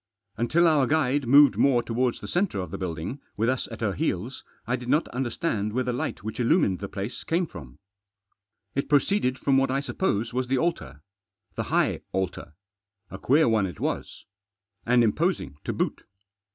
Until our guide moved more towards the centre of the building, with us at her heels, I did not understand where the light which illumined the place came from. It proceeded from what I sup pose was the altar. The high altar. A queer one it was. And imposing to boot.